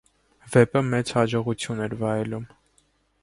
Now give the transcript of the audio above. Վեպը մեծ հաջողություն էր վայելում։